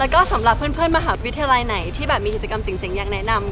แล้วก็สำหรับเพื่อนมหาวิทยาลัยไหนที่แบบมีกิจกรรมเจ๋งอยากแนะนำ